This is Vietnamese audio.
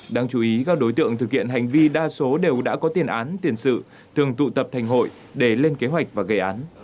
đáng chú ý các đối tượng thực hiện hành vi đa số đều đã có tiền án tiền sự thường tụ tập thành hội để lên kế hoạch và gây án